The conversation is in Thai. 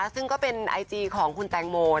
ซึ่งก็เป็นไอจีของคุณแตงโม